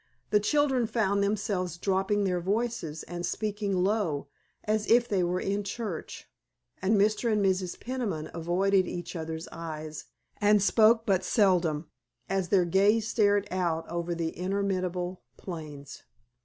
The children found themselves dropping their voices and speaking low, as if they were in church; and Mr. and Mrs. Peniman avoided each other's eyes and spoke but seldom, as their gaze stared out over the interminable plains.